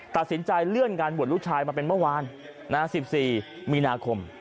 ตัดสินใจเลื่อนงานบวชลูกชายมาเป็นเมื่อวาน๑๔มีนาคม